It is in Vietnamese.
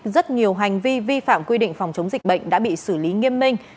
rất nhiều hành vi vi phạm quy định phòng chống dịch bệnh đã bị xử lý nghiêm minh